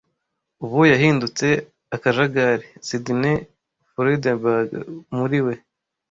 Ubu yahindutse akajagari. Sydney Freedberg muri we